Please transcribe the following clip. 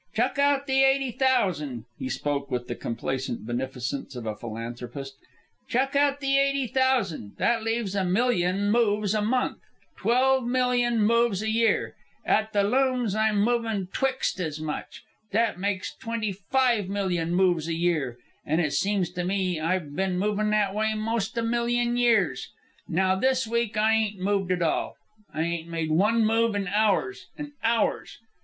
Chuck out the eighty thousan'" he spoke with the complacent beneficence of a philanthropist "chuck out the eighty thousan', that leaves a million moves a month twelve million moves a year. "At the looms I'm movin' twic'st as much. That makes twenty five million moves a year, an' it seems to me I've ben a movin' that way 'most a million years. "Now this week I ain't moved at all. I ain't made one move in hours an' hours.